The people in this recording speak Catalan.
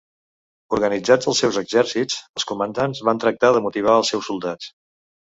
Organitzats els seus exèrcits, els comandants van tractar de motivar els seus soldats.